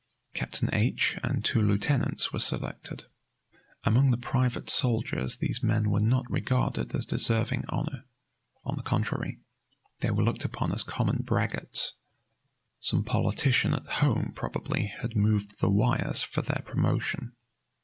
Captain H and two lieutenants were selected. Among the private soldiers these men were not regarded as deserving honor. On the contrary, they were looked upon as common braggarts. Some politician at home, probably, had moved the wires for their promotion.